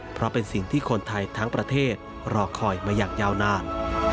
เพราะเป็นสิ่งที่คนไทยทั้งประเทศรอคอยมาอย่างยาวนาน